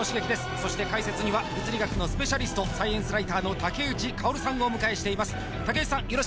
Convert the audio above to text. そして解説には物理学のスペシャリストサイエンスライターの竹内薫さんをお迎えしています竹内さん